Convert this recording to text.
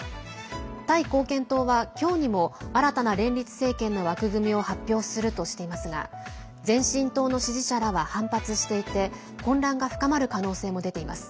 タイ貢献党は今日にも新たな連立政権の枠組みを発表するとしていますが前進党の支持者らは反発していて混乱が深まる可能性も出ています。